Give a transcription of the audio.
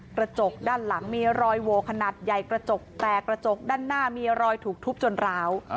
กระจกด้านหลังมีรอยโวขนาดใหญ่กระจกแตกกระจกด้านหน้ามีรอยถูกทุบจนร้าว